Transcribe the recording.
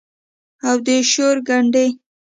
او د شور ګنډي